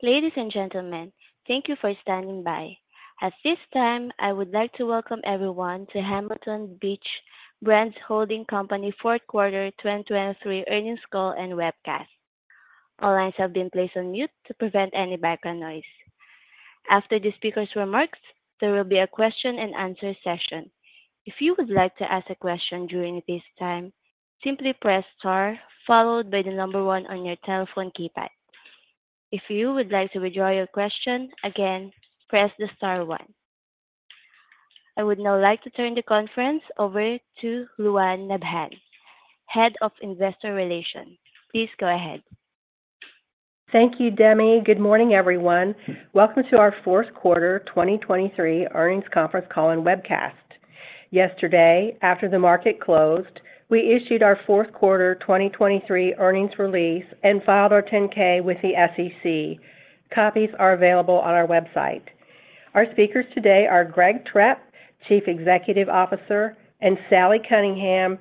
Ladies and gentlemen, thank you for standing by. At this time, I would like to welcome everyone to Hamilton Beach Brands Holding Company 4th Quarter 2023 earnings call and webcast. All lines have been placed on mute to prevent any background noise. After the speaker's remarks, there will be a question-and-answer session. If you would like to ask a question during this time, simply press star followed by the number one on your telephone keypad. If you would like to withdraw your question, again, press the star one. I would now like to turn the conference over to Lou Anne Nabhan, Head of Investor Relations. Please go ahead. Thank you, Demi. Good morning, everyone. Welcome to our 4th Quarter 2023 earnings conference call and webcast. Yesterday, after the market closed, we issued our 4th Quarter 2023 earnings release and filed our 10-K with the SEC. Copies are available on our website. Our speakers today are Greg Trepp, Chief Executive Officer, and Sally Cunningham,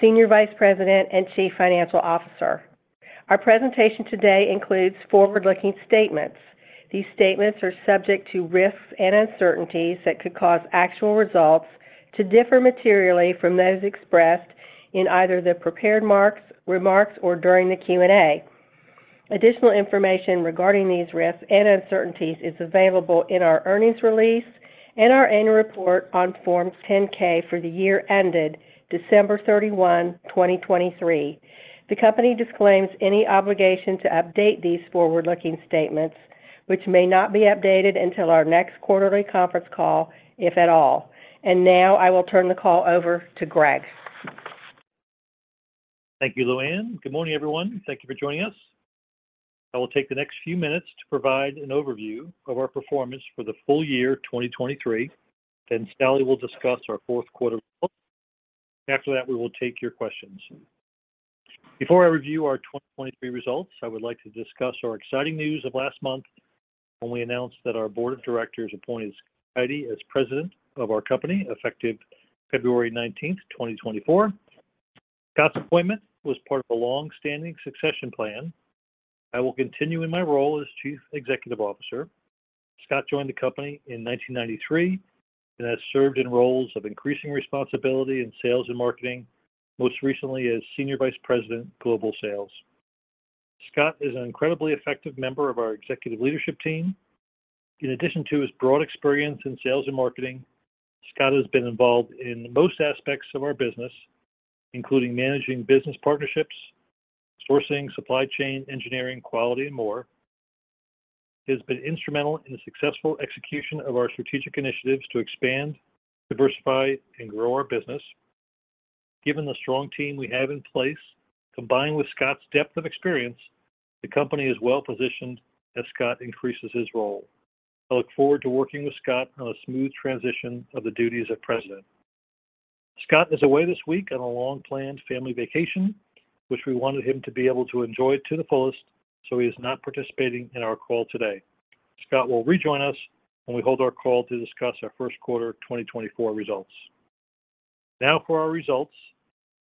Senior Vice President and Chief Financial Officer. Our presentation today includes forward-looking statements. These statements are subject to risks and uncertainties that could cause actual results to differ materially from those expressed in either the prepared remarks or during the Q&A. Additional information regarding these risks and uncertainties is available in our earnings release and our annual report on Form 10-K for the year ended December 31, 2023. The company disclaims any obligation to update these forward-looking statements, which may not be updated until our next quarterly conference call, if at all. Now I will turn the call over to Greg. Thank you, Lou Anne. Good morning, everyone. Thank you for joining us. I will take the next few minutes to provide an overview of our performance for the full year 2023, then Sally will discuss our fourth quarter results. After that, we will take your questions. Before I review our 2023 results, I would like to discuss our exciting news of last month when we announced that our Board of Directors appointed Scott Tidey as President of our company effective February 19, 2024. Scott's appointment was part of a longstanding succession plan. I will continue in my role as Chief Executive Officer. Scott joined the company in 1993 and has served in roles of increasing responsibility in sales and marketing, most recently as Senior Vice President Global Sales. Scott is an incredibly effective member of our executive leadership team. In addition to his broad experience in sales and marketing, Scott has been involved in most aspects of our business, including managing business partnerships, sourcing, supply chain, engineering, quality, and more. He has been instrumental in the successful execution of our strategic initiatives to expand, diversify, and grow our business. Given the strong team we have in place, combined with Scott's depth of experience, the company is well positioned as Scott increases his role. I look forward to working with Scott on a smooth transition of the duties of President. Scott is away this week on a long-planned family vacation, which we wanted him to be able to enjoy to the fullest, so he is not participating in our call today. Scott will rejoin us when we hold our call to discuss our 1st Quarter 2024 results. Now for our results.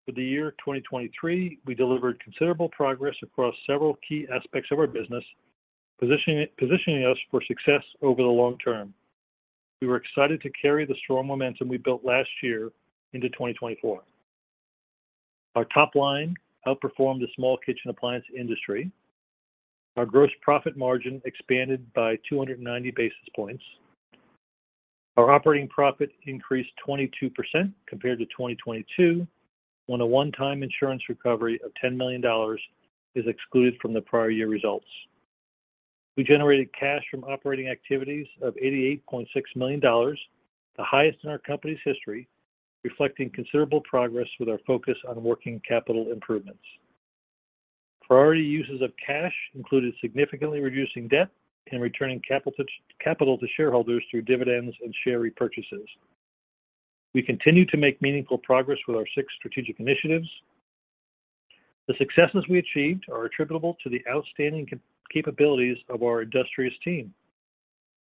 For the year 2023, we delivered considerable progress across several key aspects of our business, positioning us for success over the long term. We were excited to carry the strong momentum we built last year into 2024. Our top line outperformed the small kitchen appliance industry. Our gross profit margin expanded by 290 basis points. Our operating profit increased 22% compared to 2022, when a one-time insurance recovery of $10 million is excluded from the prior year results. We generated cash from operating activities of $88.6 million, the highest in our company's history, reflecting considerable progress with our focus on working capital improvements. Priority uses of cash included significantly reducing debt and returning capital to shareholders through dividends and share repurchases. We continue to make meaningful progress with our six strategic initiatives. The successes we achieved are attributable to the outstanding capabilities of our industrious team.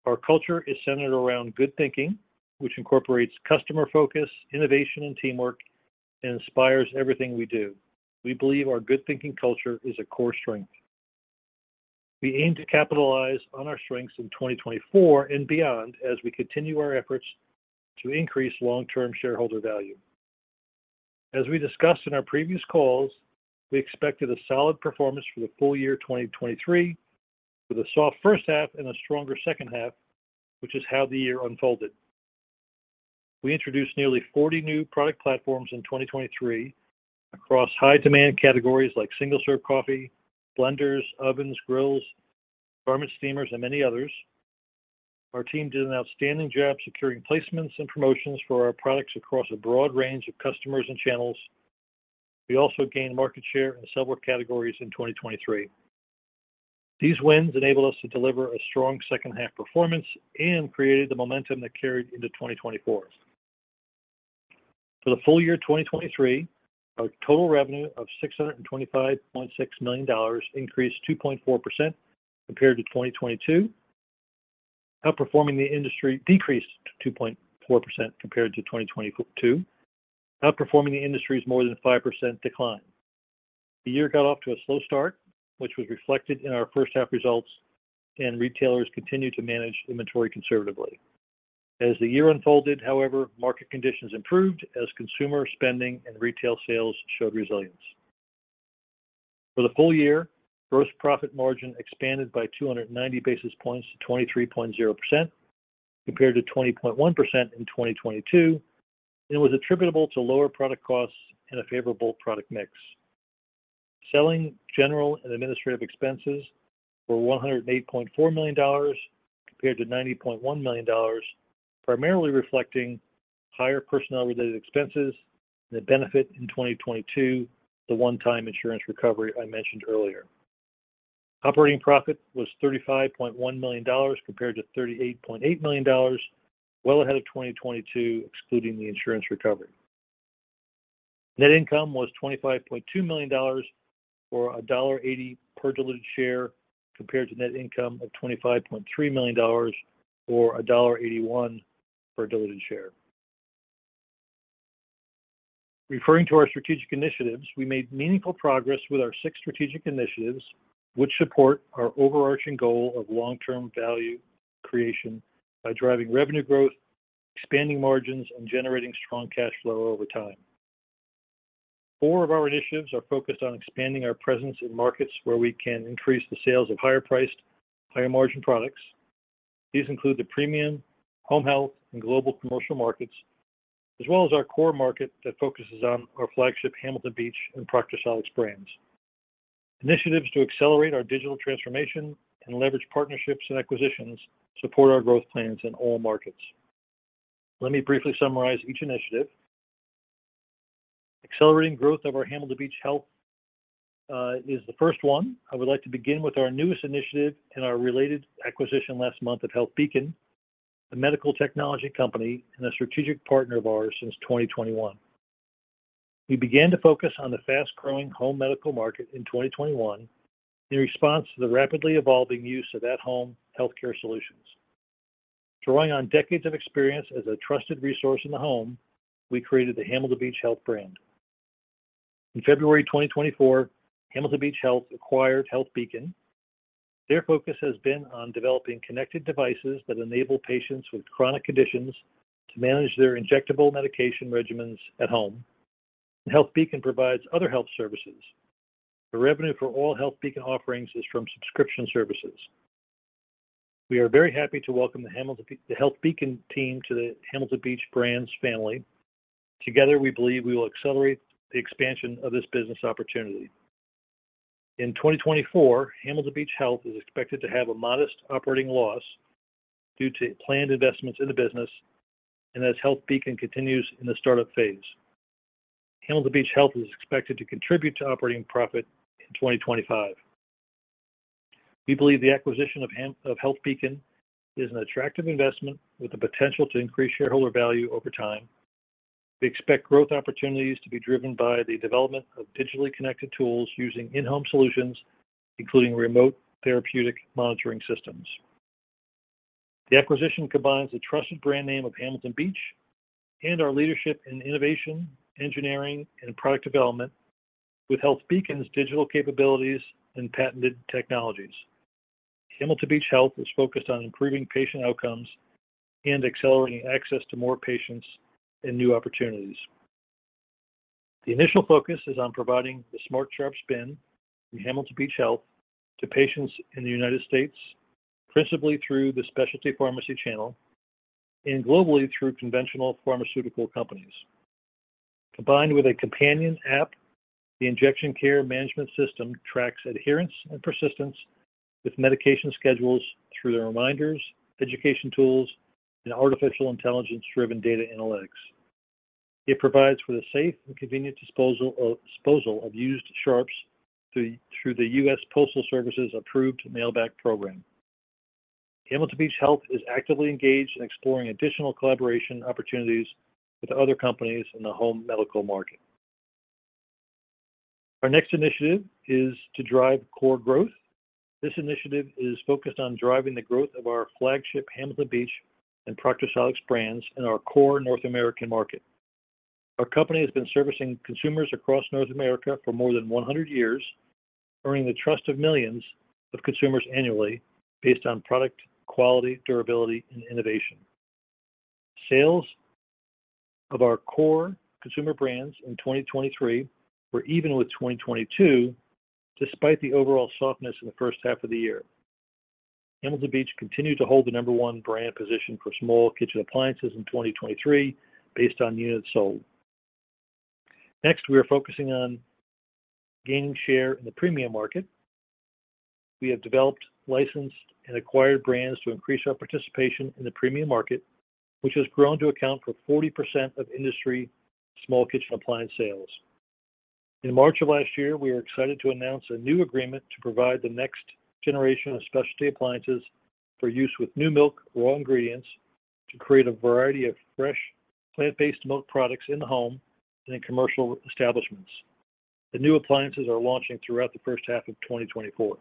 Our culture is centered around good thinking, which incorporates customer focus, innovation, and teamwork, and inspires everything we do. We believe our good thinking culture is a core strength. We aim to capitalize on our strengths in 2024 and beyond as we continue our efforts to increase long-term shareholder value. As we discussed in our previous calls, we expected a solid performance for the full year 2023, with a soft first half and a stronger second half, which is how the year unfolded. We introduced nearly 40 new product platforms in 2023 across high-demand categories like single-serve coffee, blenders, ovens, grills, garment steamers, and many others. Our team did an outstanding job securing placements and promotions for our products across a broad range of customers and channels. We also gained market share in several categories in 2023. These wins enabled us to deliver a strong second half performance and created the momentum that carried into 2024. For the full year 2023, our total revenue of $625.6 million increased 2.4% compared to 2022, outperforming the industry's more than 5% decline. The year got off to a slow start, which was reflected in our first half results, and retailers continued to manage inventory conservatively. As the year unfolded, however, market conditions improved as consumer spending and retail sales showed resilience. For the full year, gross profit margin expanded by 290 basis points to 23.0% compared to 20.1% in 2022 and was attributable to lower product costs and a favorable product mix. Selling, general, and administrative expenses were $108.4 million compared to $90.1 million, primarily reflecting higher personnel-related expenses and the benefit in 2022, the one-time insurance recovery I mentioned earlier. Operating profit was $35.1 million compared to $38.8 million, well ahead of 2022 excluding the insurance recovery. Net income was $25.2 million or $1.80 per diluted share compared to net income of $25.3 million or $1.81 per diluted share. Referring to our strategic initiatives, we made meaningful progress with our six strategic initiatives, which support our overarching goal of long-term value creation by driving revenue growth, expanding margins, and generating strong cash flow over time. Four of our initiatives are focused on expanding our presence in markets where we can increase the sales of higher-priced, higher-margin products. These include the premium, home health, and global commercial markets, as well as our core market that focuses on our flagship Hamilton Beach and Proctor Silex brands. Initiatives to accelerate our digital transformation and leverage partnerships and acquisitions support our growth plans in all markets. Let me briefly summarize each initiative. Accelerating growth of our Hamilton Beach Health is the first one. I would like to begin with our newest initiative and our related acquisition last month of HealthBeacon, a medical technology company and a strategic partner of ours since 2021. We began to focus on the fast-growing home medical market in 2021 in response to the rapidly evolving use of at-home healthcare solutions. Drawing on decades of experience as a trusted resource in the home, we created the Hamilton Beach Health brand. In February 2024, Hamilton Beach Health acquired HealthBeacon. Their focus has been on developing connected devices that enable patients with chronic conditions to manage their injectable medication regimens at home. HealthBeacon provides other health services. The revenue for all HealthBeacon offerings is from subscription services. We are very happy to welcome the HealthBeacon team to the Hamilton Beach brands family. Together, we believe we will accelerate the expansion of this business opportunity. In 2024, Hamilton Beach Health is expected to have a modest operating loss due to planned investments in the business and as HealthBeacon continues in the startup phase. Hamilton Beach Health is expected to contribute to operating profit in 2025. We believe the acquisition of HealthBeacon is an attractive investment with the potential to increase shareholder value over time. We expect growth opportunities to be driven by the development of digitally connected tools using in-home solutions, including remote therapeutic monitoring systems. The acquisition combines the trusted brand name of Hamilton Beach and our leadership in innovation, engineering, and product development with HealthBeacon's digital capabilities and patented technologies. Hamilton Beach Health is focused on improving patient outcomes and accelerating access to more patients and new opportunities. The initial focus is on providing the Smart Sharps Bin from Hamilton Beach Health to patients in the United States, principally through the specialty pharmacy channel, and globally through conventional pharmaceutical companies. Combined with a companion app, the Injection Care Management System tracks adherence and persistence with medication schedules through their reminders, education tools, and artificial intelligence-driven data analytics. It provides for the safe and convenient disposal of used sharps through the United States Postal Service approved mail-back program. Hamilton Beach Health is actively engaged in exploring additional collaboration opportunities with other companies in the home medical market. Our next initiative is to drive core growth. This initiative is focused on driving the growth of our flagship Hamilton Beach and Proctor Silex brands in our core North America market. Our company has been servicing consumers across North America for more than 100 years, earning the trust of millions of consumers annually based on product quality, durability, and innovation. Sales of our core consumer brands in 2023 were even with 2022, despite the overall softness in the first half of the year. Hamilton Beach continued to hold the number one brand position for small kitchen appliances in 2023 based on units sold. Next, we are focusing on gaining share in the premium market. We have developed, licensed, and acquired brands to increase our participation in the premium market, which has grown to account for 40% of industry small kitchen appliance sales. In March of last year, we were excited to announce a new agreement to provide the next generation of specialty appliances for use with Numilk raw ingredients to create a variety of fresh plant-based milk products in the home and in commercial establishments. The new appliances are launching throughout the first half of 2024.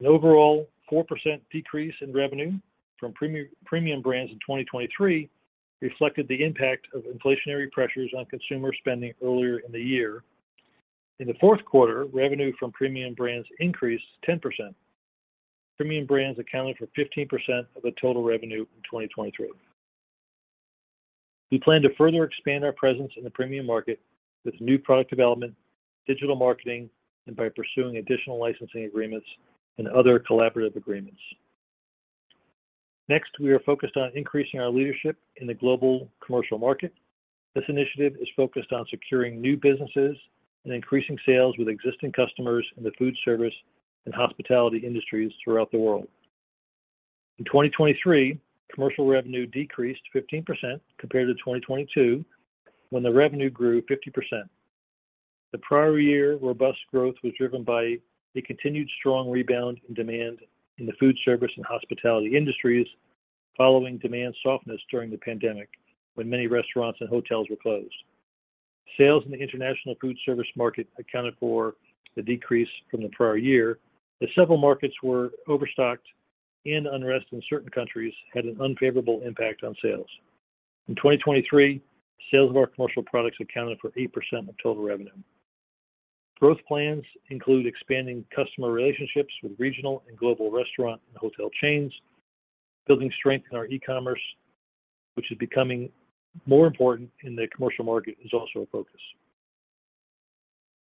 An overall 4% decrease in revenue from premium brands in 2023 reflected the impact of inflationary pressures on consumer spending earlier in the year. In the fourth quarter, revenue from premium brands increased 10%. Premium brands accounted for 15% of the total revenue in 2023. We plan to further expand our presence in the premium market with new product development, digital marketing, and by pursuing additional licensing agreements and other collaborative agreements. Next, we are focused on increasing our leadership in the global commercial market. This initiative is focused on securing new businesses and increasing sales with existing customers in the food service and hospitality industries throughout the world. In 2023, commercial revenue decreased 15% compared to 2022, when the revenue grew 50%. The prior year robust growth was driven by a continued strong rebound in demand in the food service and hospitality industries following demand softness during the pandemic, when many restaurants and hotels were closed. Sales in the international food service market accounted for the decrease from the prior year, as several markets were overstocked and unrest in certain countries had an unfavorable impact on sales. In 2023, sales of our commercial products accounted for 8% of total revenue. Growth plans include expanding customer relationships with regional and global restaurant and hotel chains, building strength in our e-commerce, which is becoming more important in the commercial market, is also a focus.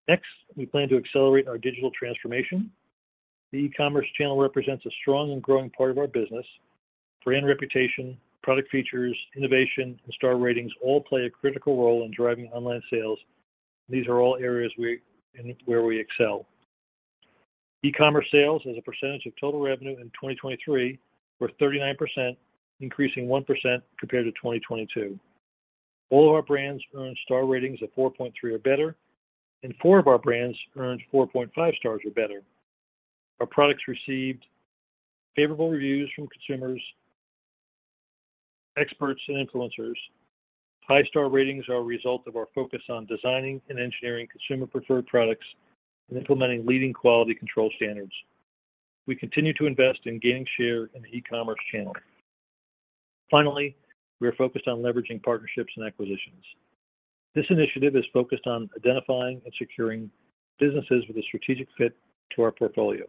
Next, we plan to accelerate our digital transformation. The e-commerce channel represents a strong and growing part of our business. Brand reputation, product features, innovation, and star ratings all play a critical role in driving online sales, and these are all areas where we excel. E-commerce sales as a percentage of total revenue in 2023 were 39%, increasing 1% compared to 2022. All of our brands earned star ratings of 4.3 or better, and four of our brands earned 4.5 stars or better. Our products received favorable reviews from consumers, experts, and influencers. High star ratings are a result of our focus on designing and engineering consumer-preferred products and implementing leading quality control standards. We continue to invest in gaining share in the e-commerce channel. Finally, we are focused on leveraging partnerships and acquisitions. This initiative is focused on identifying and securing businesses with a strategic fit to our portfolio.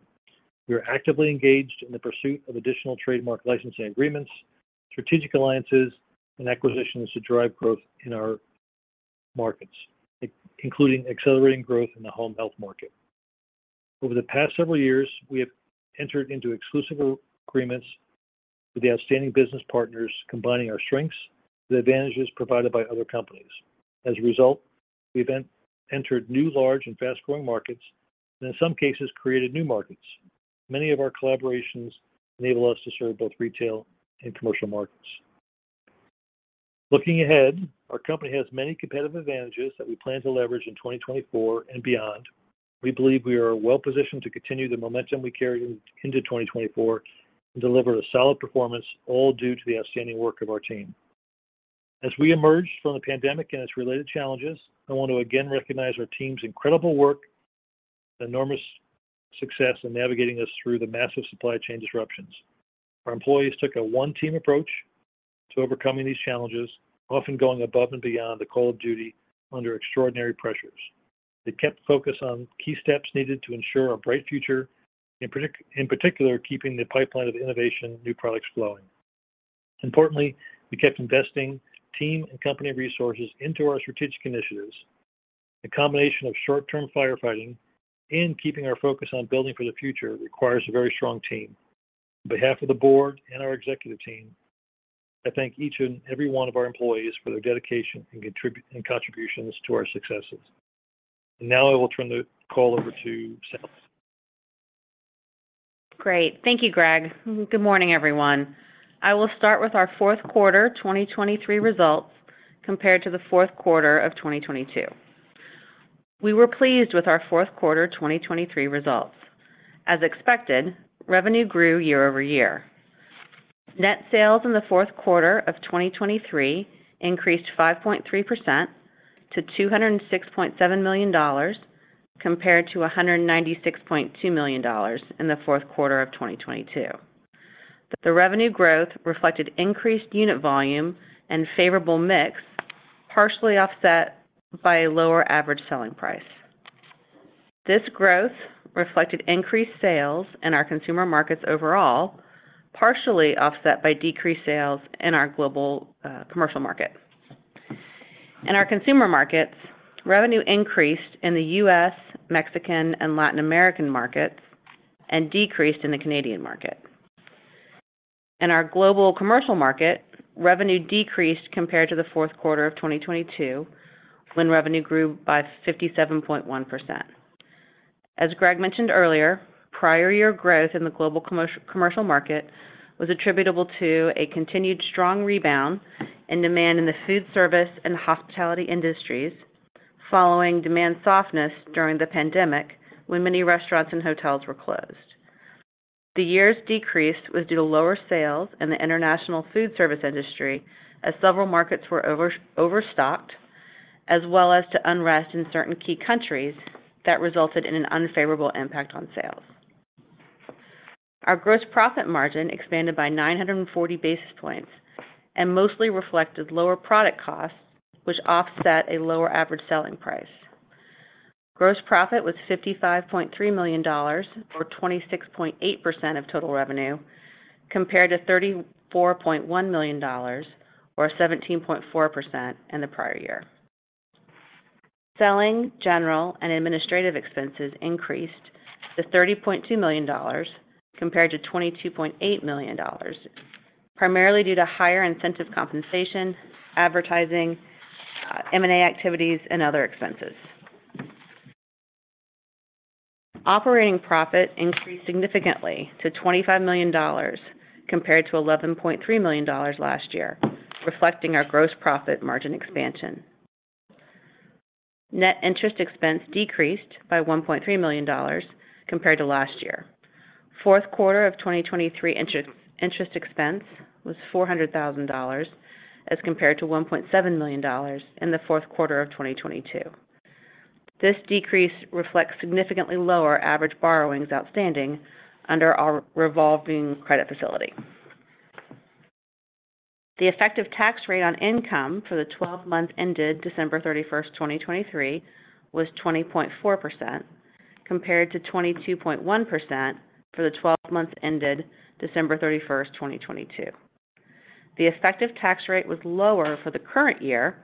We are actively engaged in the pursuit of additional trademark licensing agreements, strategic alliances, and acquisitions to drive growth in our markets, including accelerating growth in the home health market. Over the past several years, we have entered into exclusive agreements with the outstanding business partners, combining our strengths with advantages provided by other companies. As a result, we have entered new large and fast-growing markets and, in some cases, created new markets. Many of our collaborations enable us to serve both retail and commercial markets. Looking ahead, our company has many competitive advantages that we plan to leverage in 2024 and beyond. We believe we are well positioned to continue the momentum we carried into 2024 and deliver a solid performance, all due to the outstanding work of our team. As we emerged from the pandemic and its related challenges, I want to again recognize our team's incredible work, the enormous success in navigating us through the massive supply chain disruptions. Our employees took a one-team approach to overcoming these challenges, often going above and beyond the call of duty under extraordinary pressures. They kept focus on key steps needed to ensure a bright future, in particular, keeping the pipeline of innovation and new products flowing. Importantly, we kept investing team and company resources into our strategic initiatives. A combination of short-term firefighting and keeping our focus on building for the future requires a very strong team. On behalf of the board and our executive team, I thank each and every one of our employees for their dedication and contributions to our successes. Now I will turn the call over to Sally. Great. Thank you, Greg. Good morning, everyone. I will start with our fourth quarter 2023 results compared to the fourth quarter of 2022. We were pleased with our fourth quarter 2023 results. As expected, revenue grew year-over-year. Net sales in the fourth quarter of 2023 increased 5.3% to $206.7 million compared to $196.2 million in the fourth quarter of 2022. The revenue growth reflected increased unit volume and favorable mix, partially offset by a lower average selling price. This growth reflected increased sales in our consumer markets overall, partially offset by decreased sales in our global commercial market. In our consumer markets, revenue increased in the U.S., Mexican, and Latin American markets and decreased in the Canadian market. In our global commercial market, revenue decreased compared to the fourth quarter of 2022 when revenue grew by 57.1%. As Greg mentioned earlier, prior year growth in the global commercial market was attributable to a continued strong rebound in demand in the food service and hospitality industries following demand softness during the pandemic when many restaurants and hotels were closed. The year's decrease was due to lower sales in the international food service industry as several markets were overstocked, as well as to unrest in certain key countries that resulted in an unfavorable impact on sales. Our gross profit margin expanded by 940 basis points and mostly reflected lower product costs, which offset a lower average selling price. Gross profit was $55.3 million or 26.8% of total revenue compared to $34.1 million or 17.4% in the prior year. Selling, general, and administrative expenses increased to $30.2 million compared to $22.8 million, primarily due to higher incentive compensation, advertising, M&A activities, and other expenses. Operating profit increased significantly to $25 million compared to $11.3 million last year, reflecting our gross profit margin expansion. Net interest expense decreased by $1.3 million compared to last year. Fourth quarter of 2023 interest expense was $400,000 as compared to $1.7 million in the fourth quarter of 2022. This decrease reflects significantly lower average borrowings outstanding under our revolving credit facility. The effective tax rate on income for the 12 months ended December 31st, 2023, was 20.4% compared to 22.1% for the 12 months ended December 31st, 2022. The effective tax rate was lower for the current year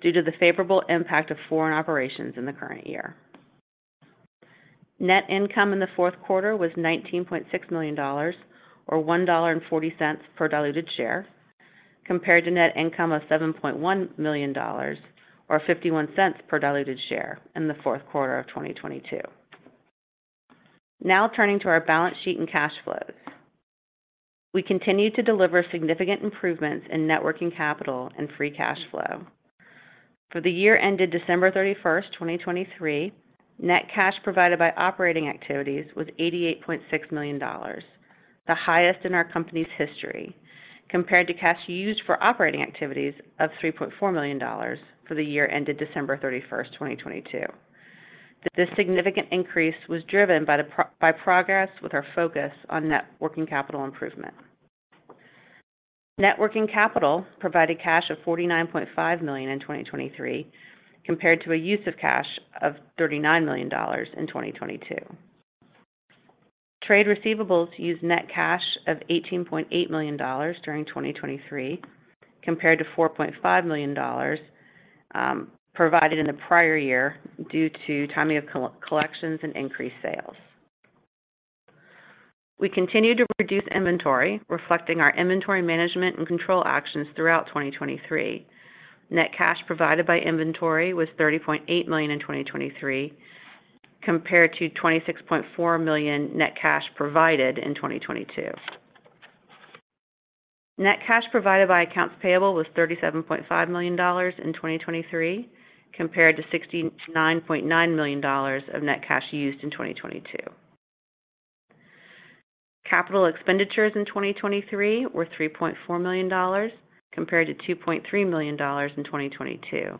due to the favorable impact of foreign operations in the current year. Net income in the fourth quarter was $19.6 million or $1.40 per diluted share compared to net income of $7.1 million or $0.51 per diluted share in the fourth quarter of 2022. Now turning to our balance sheet and cash flows. We continue to deliver significant improvements in net working capital and free cash flow. For the year ended December 31st, 2023, net cash provided by operating activities was $88.6 million, the highest in our company's history compared to cash used for operating activities of $3.4 million for the year ended December 31st, 2022. This significant increase was driven by progress with our focus on net working capital improvement. Net working capital provided cash of $49.5 million in 2023 compared to a use of cash of $39 million in 2022. Trade receivables used net cash of $18.8 million during 2023 compared to $4.5 million provided in the prior year due to timing of collections and increased sales. We continue to reduce inventory, reflecting our inventory management and control actions throughout 2023. Net cash provided by inventory was $30.8 million in 2023 compared to $26.4 million net cash provided in 2022. Net cash provided by accounts payable was $37.5 million in 2023 compared to $69.9 million of net cash used in 2022. Capital expenditures in 2023 were $3.4 million compared to $2.3 million in 2022,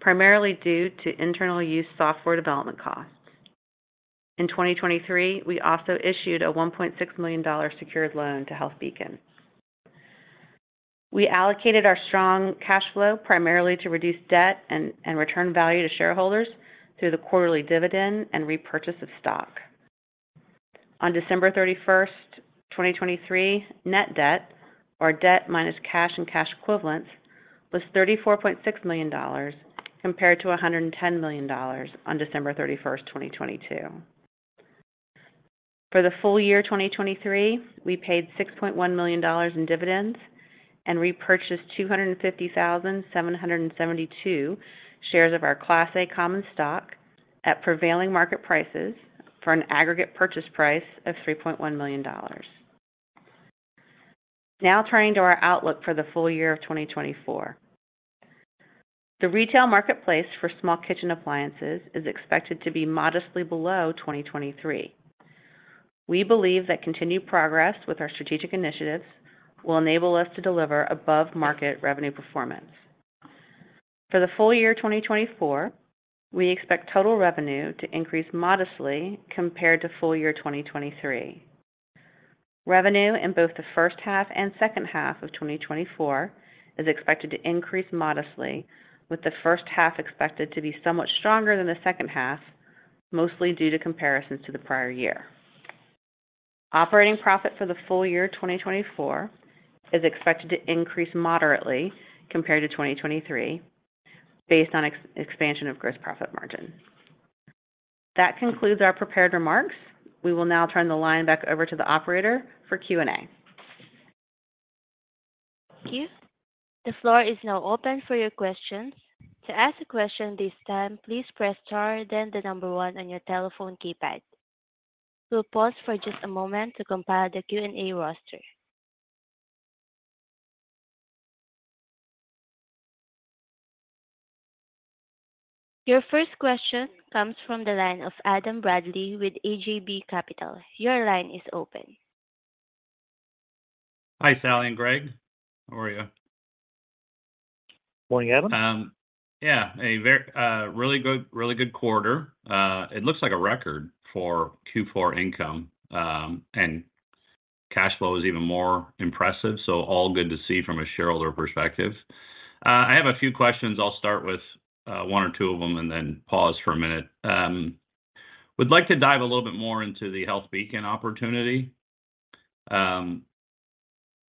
primarily due to internal use software development costs. In 2023, we also issued a $1.6 million secured loan to HealthBeacon. We allocated our strong cash flow primarily to reduce debt and return value to shareholders through the quarterly dividend and repurchase of stock. On December 31st, 2023, net debt, or debt minus cash and cash equivalents, was $34.6 million compared to $110 million on December 31st, 2022. For the full year 2023, we paid $6.1 million in dividends and repurchased 250,772 shares of our Class A common stock at prevailing market prices for an aggregate purchase price of $3.1 million. Now turning to our outlook for the full year of 2024. The retail marketplace for small kitchen appliances is expected to be modestly below 2023. We believe that continued progress with our strategic initiatives will enable us to deliver above-market revenue performance. For the full year 2024, we expect total revenue to increase modestly compared to full year 2023. Revenue in both the first half and second half of 2024 is expected to increase modestly, with the first half expected to be somewhat stronger than the second half, mostly due to comparisons to the prior year. Operating profit for the full year 2024 is expected to increase moderately compared to 2023 based on expansion of gross profit margin. That concludes our prepared remarks. We will now turn the line back over to the operator for Q&A. Thank you. The floor is now open for your questions. To ask a question this time, please press star, then the number one on your telephone keypad. We'll pause for just a moment to compile the Q&A roster. Your first question comes from the line of Adam Bradley with AJB Capital. Your line is open. Hi, Sally and Greg. How are you? Morning, Adam. Yeah, a really good quarter. It looks like a record for Q4 income, and cash flow is even more impressive, so all good to see from a shareholder perspective. I have a few questions. I'll start with one or two of them and then pause for a minute. Would like to dive a little bit more into the HealthBeacon opportunity.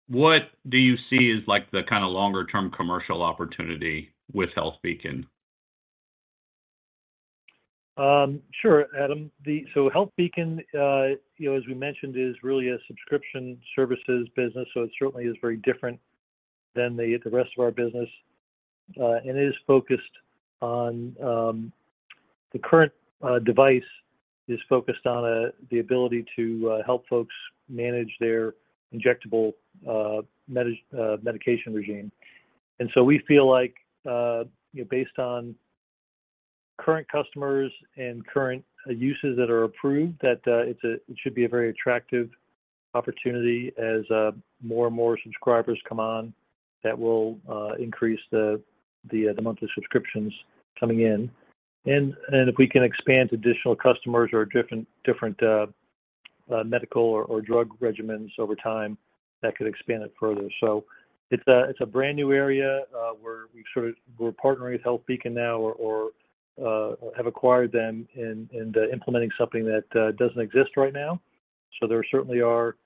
What do you see as the kind of longer-term commercial opportunity with HealthBeacon? Sure, Adam. So HealthBeacon, as we mentioned, is really a subscription services business, so it certainly is very different than the rest of our business. And it is focused on the current device is focused on the ability to help folks manage their injectable medication regime. And so we feel like, based on current customers and current uses that are approved, that it should be a very attractive opportunity as more and more subscribers come on that will increase the monthly subscriptions coming in. And if we can expand to additional customers or different medical or drug regimens over time, that could expand it further. So it's a brand new area where we're partnering with HealthBeacon now or have acquired them and implementing something that doesn't exist right now. So there certainly are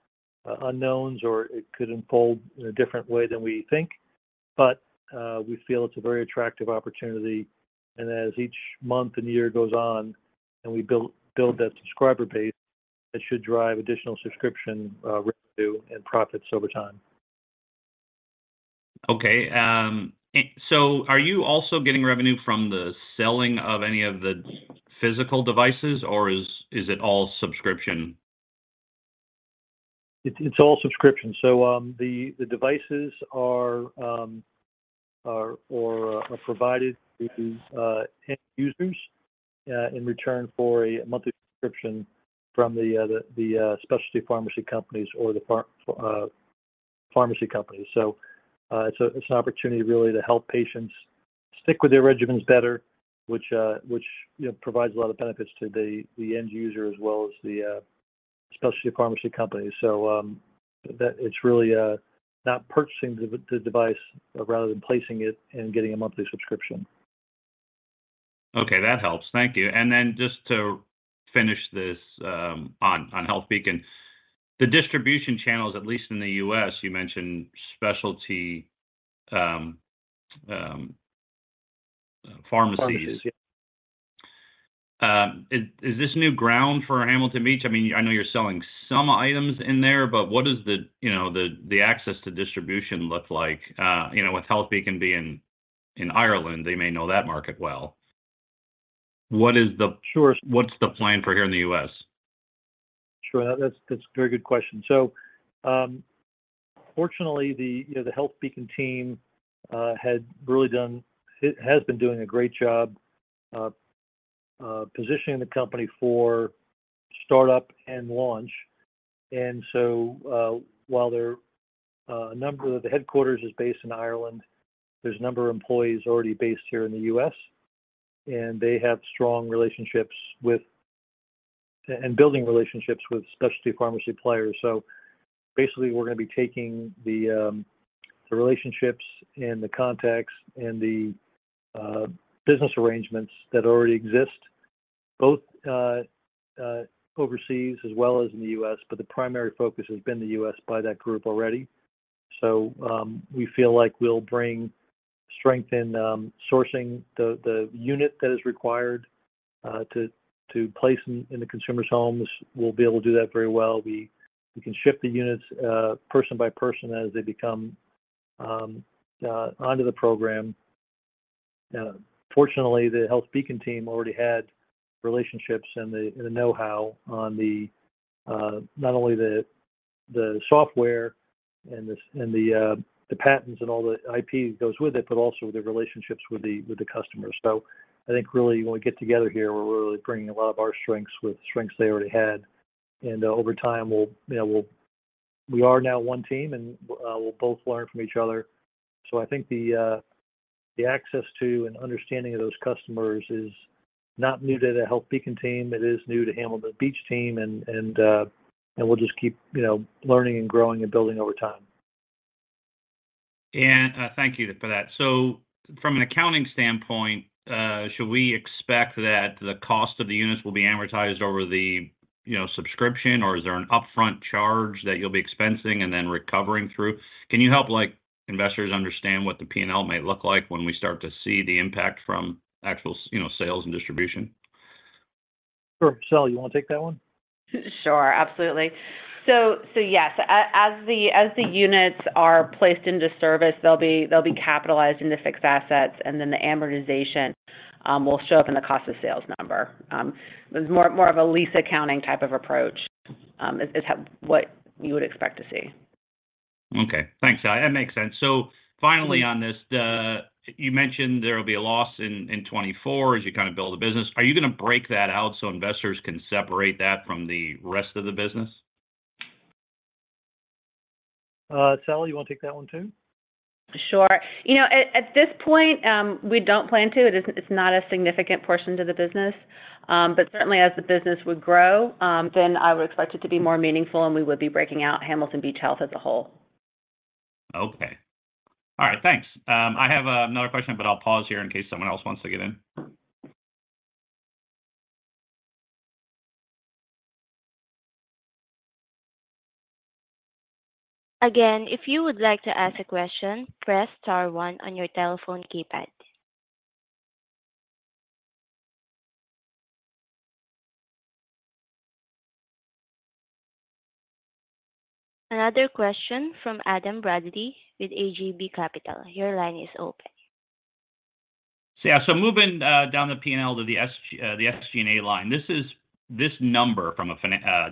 unknowns, or it could unfold in a different way than we think. We feel it's a very attractive opportunity. As each month and year goes on and we build that subscriber base, that should drive additional subscription revenue and profits over time. Okay. So are you also getting revenue from the selling of any of the physical devices, or is it all subscription? It's all subscription. So the devices are provided to end users in return for a monthly subscription from the specialty pharmacy companies or the pharmacy companies. So it's an opportunity, really, to help patients stick with their regimens better, which provides a lot of benefits to the end user as well as the specialty pharmacy companies. So it's really not purchasing the device rather than placing it and getting a monthly subscription. Okay. That helps. Thank you. And then just to finish this on HealthBeacon, the distribution channels, at least in the U.S., you mentioned specialty pharmacies. Pharmacies, yeah. Is this new ground for Hamilton Beach? I mean, I know you're selling some items in there, but what does the access to distribution look like? With HealthBeacon being in Ireland, they may know that market well. What's the plan for here in the U.S.? Sure. That's a very good question. So fortunately, the HealthBeacon team has been doing a great job positioning the company for startup and launch. And so while the headquarters is based in Ireland, there's a number of employees already based here in the U.S., and they have strong relationships and building relationships with specialty pharmacy players. So basically, we're going to be taking the relationships and the contacts and the business arrangements that already exist both overseas as well as in the U.S., but the primary focus has been the U.S. by that group already. So we feel like we'll strengthen sourcing. The unit that is required to place in the consumer's homes, we'll be able to do that very well. We can shift the units person by person as they become onto the program. Fortunately, the HealthBeacon team already had relationships and the know-how on not only the software and the patents and all the IP that goes with it, but also the relationships with the customers. So I think, really, when we get together here, we're really bringing a lot of our strengths with strengths they already had. And over time, we are now one team, and we'll both learn from each other. So I think the access to and understanding of those customers is not new to the HealthBeacon team. It is new to Hamilton Beach team, and we'll just keep learning and growing and building over time. Thank you for that. From an accounting standpoint, should we expect that the cost of the units will be amortized over the subscription, or is there an upfront charge that you'll be expensing and then recovering through? Can you help investors understand what the P&L might look like when we start to see the impact from actual sales and distribution? Sure. Sally, you want to take that one? Sure. Absolutely. So yes, as the units are placed into service, they'll be capitalized into fixed assets, and then the amortization will show up in the cost of sales number. It's more of a lease accounting type of approach is what you would expect to see. Okay. Thanks, Sally. That makes sense. So finally on this, you mentioned there will be a loss in 2024 as you kind of build the business. Are you going to break that out so investors can separate that from the rest of the business? Sally, you want to take that one too? Sure. At this point, we don't plan to. It's not a significant portion to the business. Certainly, as the business would grow, then I would expect it to be more meaningful, and we would be breaking out Hamilton Beach Health as a whole. Okay. All right. Thanks. I have another question, but I'll pause here in case someone else wants to get in. Again, if you would like to ask a question, press star one on your telephone keypad. Another question from Adam Bradley with AJB Capital. Your line is open. Yeah. So moving down the P&L to the SG&A line, this number from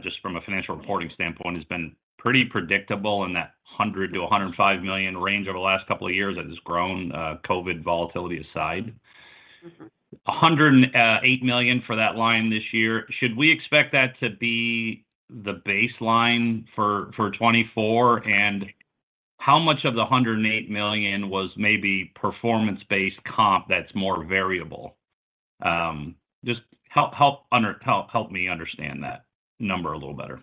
just from a financial reporting standpoint has been pretty predictable in that $100 million-$105 million range over the last couple of years that has grown, COVID volatility aside. $108 million for that line this year. Should we expect that to be the baseline for 2024? And how much of the $108 million was maybe performance-based comp that's more variable? Just help me understand that number a little better.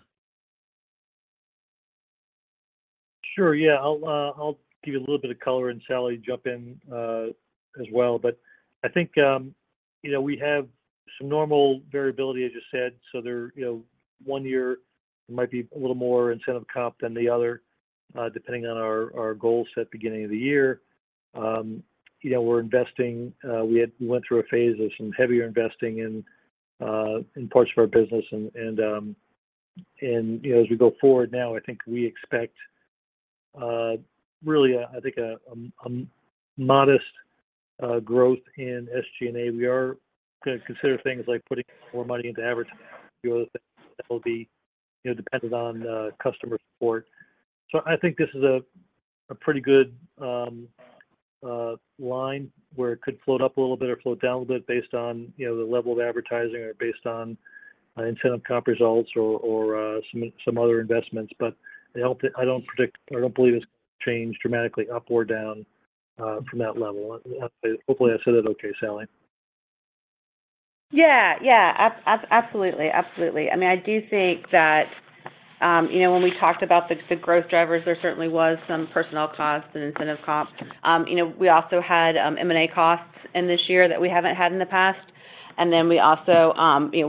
Sure. Yeah. I'll give you a little bit of color, and Sally, jump in as well. But I think we have some normal variability, as you said. So one year, there might be a little more incentive comp than the other, depending on our goals at the beginning of the year. We're investing. We went through a phase of some heavier investing in parts of our business. And as we go forward now, I think we expect, really, I think, a modest growth in SG&A. We are going to consider things like putting more money into advertising and a few other things that will be dependent on customer support. So I think this is a pretty good line where it could float up a little bit or float down a little bit based on the level of advertising or based on incentive comp results or some other investments. But I don't predict or I don't believe it's going to change dramatically up or down from that level. Hopefully, I said that okay, Sally. Yeah. Yeah. Absolutely. Absolutely. I mean, I do think that when we talked about the growth drivers, there certainly was some personnel cost and incentive comp. We also had M&A costs in this year that we haven't had in the past. And then we also,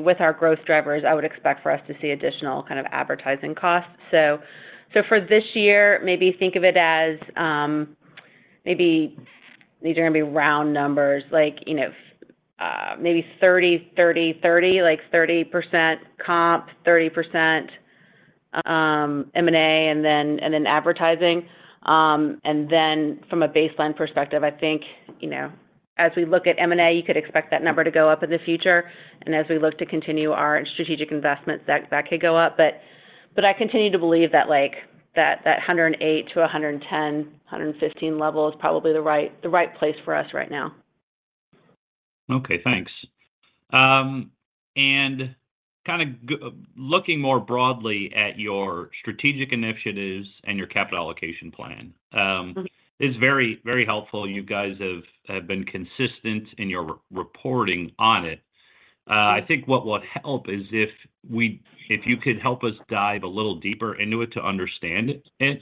with our growth drivers, I would expect for us to see additional kind of advertising costs. So for this year, maybe think of it as maybe these are going to be round numbers, maybe 30, 30, 30, like 30% comp, 30% M&A, and then advertising. And then from a baseline perspective, I think as we look at M&A, you could expect that number to go up in the future. And as we look to continue our strategic investments, that could go up. But I continue to believe that 108-110, 115 level is probably the right place for us right now. Okay. Thanks. Kind of looking more broadly at your strategic initiatives and your capital allocation plan, it's very helpful. You guys have been consistent in your reporting on it. I think what would help is if you could help us dive a little deeper into it to understand it.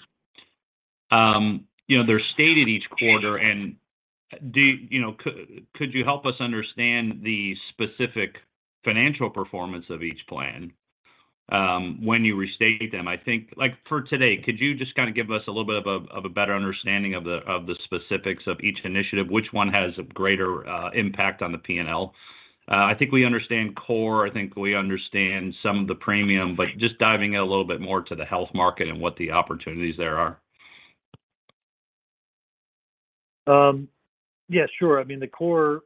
They're stated each quarter. Could you help us understand the specific financial performance of each plan when you restate them? I think for today, could you just kind of give us a little bit of a better understanding of the specifics of each initiative, which one has a greater impact on the P&L? I think we understand core. I think we understand some of the premium. Just diving in a little bit more to the health market and what the opportunities there are. Yeah. Sure. I mean, the core,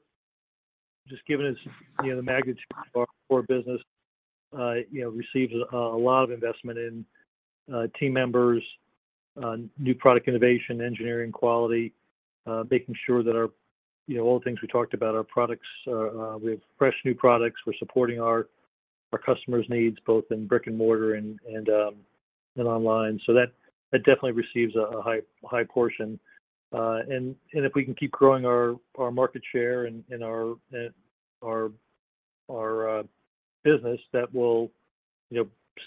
just given the magnitude of our core business, receives a lot of investment in team members, new product innovation, engineering quality, making sure that all the things we talked about, our products, we have fresh new products. We're supporting our customers' needs both in brick and mortar and online. So that definitely receives a high portion. And if we can keep growing our market share in our business, that will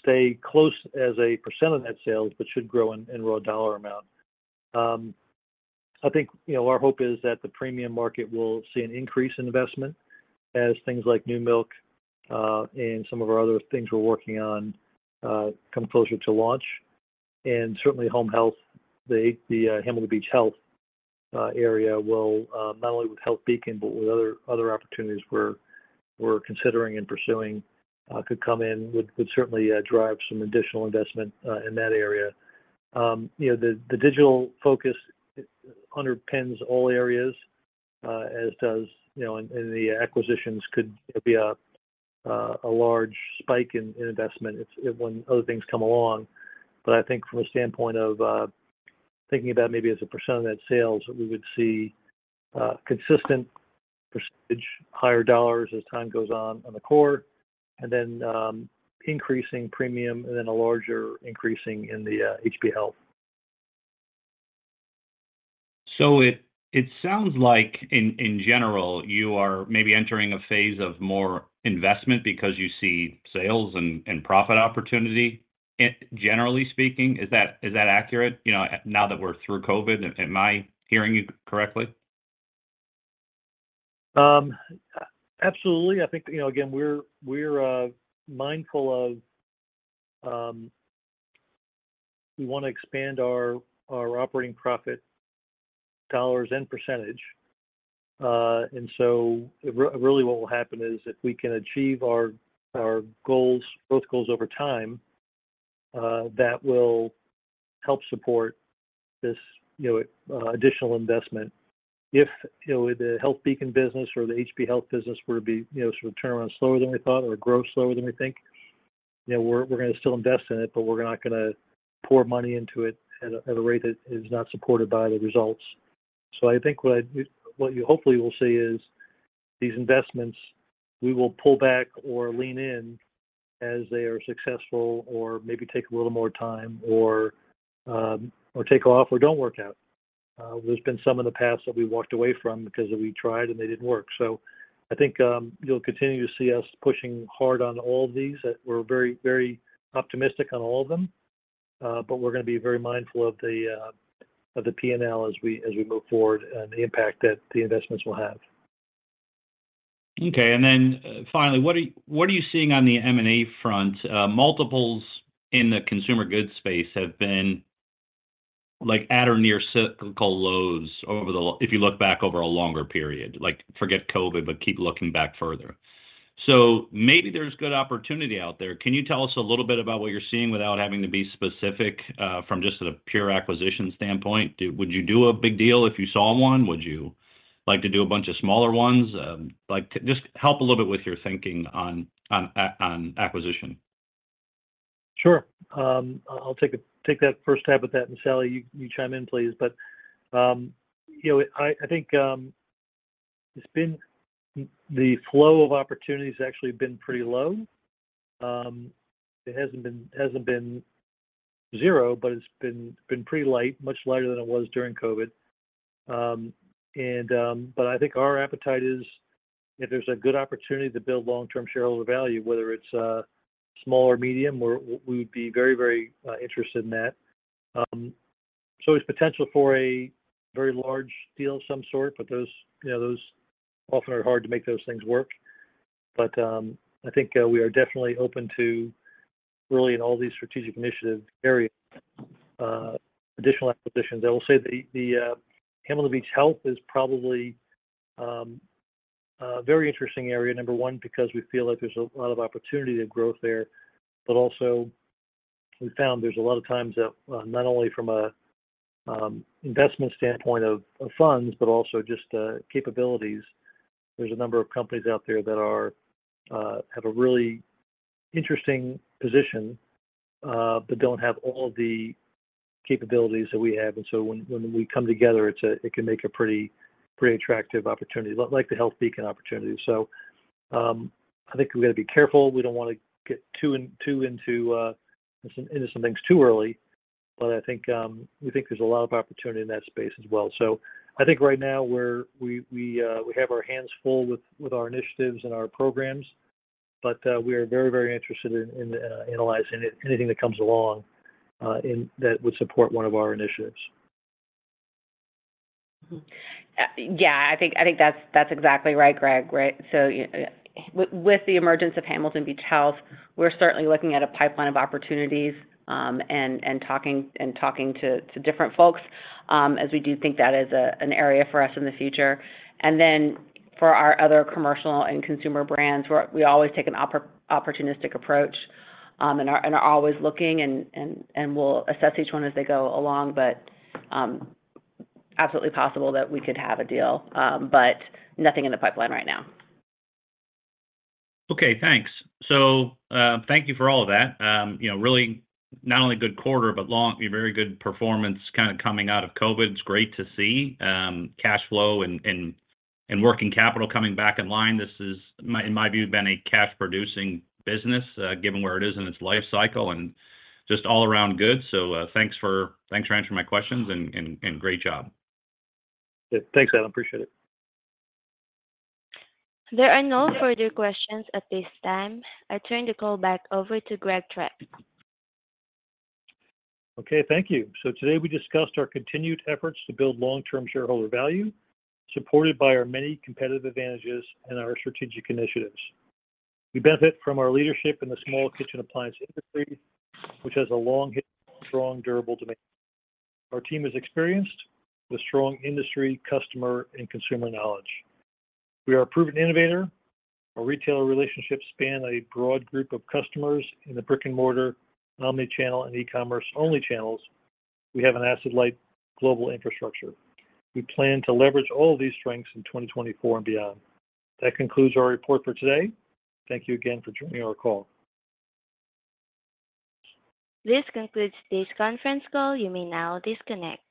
stay close as a percent of that sales but should grow in raw dollar amount. I think our hope is that the premium market will see an increase in investment as things like new milk and some of our other things we're working on come closer to launch. Certainly, home health, the Hamilton Beach Health area will not only with HealthBeacon, but with other opportunities we're considering and pursuing could come in, would certainly drive some additional investment in that area. The digital focus underpins all areas, as does, and the acquisitions could be a large spike in investment when other things come along. But I think from a standpoint of thinking about maybe as a percent of that sales, we would see consistent percentage, higher dollars as time goes on on the core, and then increasing premium, and then a larger increasing in the Hamilton Beach Health. So it sounds like, in general, you are maybe entering a phase of more investment because you see sales and profit opportunity, generally speaking. Is that accurate now that we're through COVID? Am I hearing you correctly? Absolutely. I think, again, we're mindful of we want to expand our operating profit dollars and percentage. And so really, what will happen is if we can achieve our goals, growth goals over time, that will help support this additional investment. If the HealthBeacon business or the Hamilton Beach Health business were to be sort of turnaround slower than we thought or grow slower than we think, we're going to still invest in it, but we're not going to pour money into it at a rate that is not supported by the results. So I think what you hopefully will see is these investments, we will pull back or lean in as they are successful or maybe take a little more time or take off or don't work out. There's been some in the past that we walked away from because we tried, and they didn't work. I think you'll continue to see us pushing hard on all of these. We're very, very optimistic on all of them, but we're going to be very mindful of the P&L as we move forward and the impact that the investments will have. Okay. And then finally, what are you seeing on the M&A front? Multiples in the consumer goods space have been at or near cyclical lows if you look back over a longer period. Forget COVID, but keep looking back further. So maybe there's good opportunity out there. Can you tell us a little bit about what you're seeing without having to be specific from just a pure acquisition standpoint? Would you do a big deal if you saw one? Would you like to do a bunch of smaller ones? Just help a little bit with your thinking on acquisition. Sure. I'll take that first stab at that. And Sally, you chime in, please. But I think the flow of opportunities has actually been pretty low. It hasn't been zero, but it's been pretty light, much lighter than it was during COVID. But I think our appetite is if there's a good opportunity to build long-term shareholder value, whether it's small or medium, we would be very, very interested in that. So there's potential for a very large deal of some sort, but those often are hard to make those things work. But I think we are definitely open to, really, in all these strategic initiative areas, additional acquisitions. I will say the Hamilton Beach Health is probably a very interesting area, number one, because we feel like there's a lot of opportunity to grow there. But also, we found there's a lot of times that not only from an investment standpoint of funds, but also just capabilities, there's a number of companies out there that have a really interesting position but don't have all of the capabilities that we have. And so when we come together, it can make a pretty attractive opportunity, like the HealthBeacon opportunity. So I think we got to be careful. We don't want to get too into some things too early. But I think there's a lot of opportunity in that space as well. So I think right now, we have our hands full with our initiatives and our programs, but we are very, very interested in analyzing anything that comes along that would support one of our initiatives. Yeah. I think that's exactly right, Greg, right? So with the emergence of Hamilton Beach Health, we're certainly looking at a pipeline of opportunities and talking to different folks as we do think that is an area for us in the future. And then for our other commercial and consumer brands, we always take an opportunistic approach and are always looking, and we'll assess each one as they go along. But absolutely possible that we could have a deal, but nothing in the pipeline right now. Okay. Thanks. So thank you for all of that. Really, not only good quarter, but very good performance kind of coming out of COVID. It's great to see cash flow and working capital coming back in line. This has, in my view, been a cash-producing business given where it is in its life cycle and just all-around goods. So thanks for answering my questions, and great job. Thanks, Adam. Appreciate it. There are no further questions at this time. I turn the call back over to Greg Trepp. Okay. Thank you. Today, we discussed our continued efforts to build long-term shareholder value supported by our many competitive advantages and our strategic initiatives. We benefit from our leadership in the small kitchen appliance industry, which has a long history of strong, durable demand. Our team is experienced with strong industry customer and consumer knowledge. We are a proven innovator. Our retailer relationships span a broad group of customers in the brick-and-mortar, omnichannel, and e-commerce-only channels. We have an asset-light global infrastructure. We plan to leverage all of these strengths in 2024 and beyond. That concludes our report for today. Thank you again for joining our call. This concludes today's conference call. You may now disconnect.